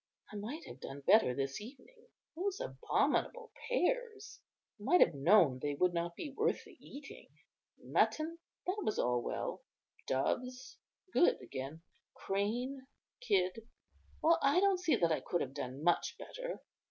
I might have done better this evening. Those abominable pears! I might have known they would not be worth the eating. Mutton, that was all well; doves, good again; crane, kid; well, I don't see that I could have done much better."